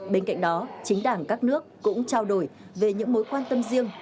bên cạnh đó chính đảng các nước cũng trao đổi về những mối quan tâm riêng